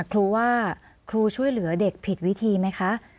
ครูว่าครูช่วยเหลือเด็กผิดวิธีไหมคะ